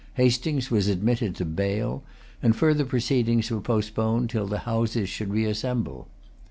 Hastings was admitted to bail; and further proceedings were postponed till the Houses should reassemble.